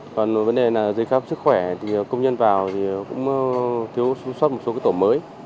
còn vấn đề là dây khắp sức khỏe thì công nhân vào thì cũng thiếu xuất một số tổ mới